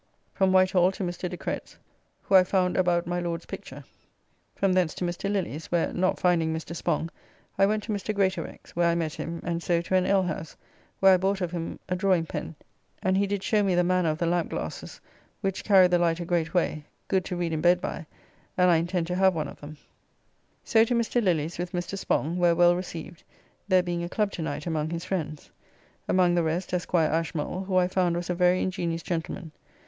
From Whitehall to Mr. De Cretz, who I found about my Lord's picture. From thence to Mr. Lilly's, where, not finding Mr. Spong, I went to Mr. Greatorex, where I met him, and so to an alehouse, where I bought of him a drawing pen; and he did show me the manner of the lamp glasses, which carry the light a great way, good to read in bed by, and I intend to have one of them. So to Mr. Lilly's with Mr. Spong, where well received, there being a club to night among his friends. Among the rest Esquire Ashmole, who I found was a very ingenious gentleman.